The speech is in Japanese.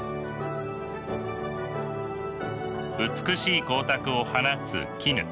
美しい光沢を放つ絹。